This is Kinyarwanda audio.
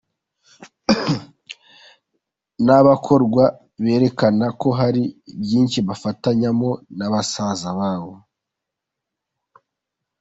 N’abakorwa berekana ko hari ibyinshi bafatanyamo na basaza babo.